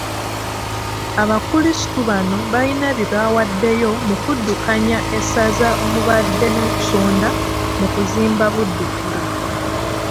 Abakulisitu bano balina bye bawaddeyo mu kuddukanya essaza omubadde n'okusonda mu kuzimba Buddukiro.